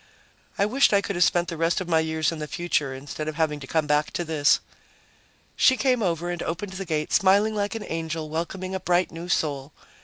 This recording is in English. I wished I could have spent the rest of my years in the future, instead of having to come back to this. She came over and opened the gate, smiling like an angel welcoming a bright new soul.